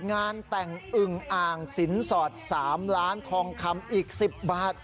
งานแต่งอึงอ่างสินสอด๓ล้านทองคำอีก๑๐บาท